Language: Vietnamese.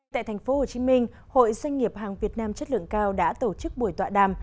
tại thành phố hồ chí minh hội doanh nghiệp hàng việt nam chất lượng cao đã tổ chức buổi tọa đàm